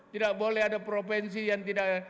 tidak boleh ada provinsi yang tidak